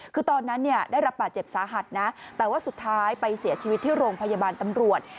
คือตอนนั้นเนี่ยได้รับบาดเจ็บสาหัสนะแต่ว่าสุดท้ายไปเสียชีวิตที่โรงพยาบาลตำรวจ